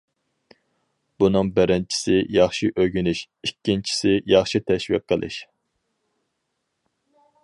بۇنىڭ بىرىنچىسى، ياخشى ئۆگىنىش، ئىككىنچىسى، ياخشى تەشۋىق قىلىش.